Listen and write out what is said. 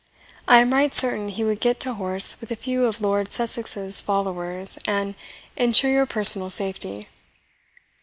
I am right certain he would get to horse with a few of Lord Sussex's followers, and ensure your personal safety."